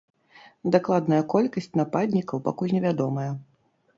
Дакладная колькасць нападнікаў пакуль не вядомая.